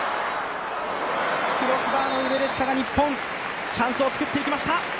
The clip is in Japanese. クロスバーの上でしたが、日本チャンスを作ってきました。